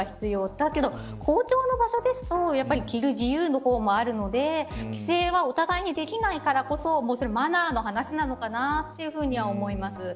だけど、公共の場所ですと着る自由の方もあるので規制はお互いにできないからこそマナーの話なのかなというふうに思います。